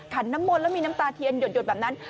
ขันน้ำมนต์แล้วมีน้ำตาเทียนหยดแบบนั้น